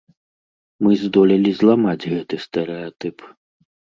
Мы здолелі зламаць гэты стэрэатып.